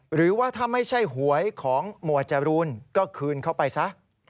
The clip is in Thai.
หรือว่าได้ถ่ำให้ใช่หวยของงษ์มัวจรูลก็คืนเข้าไปสิ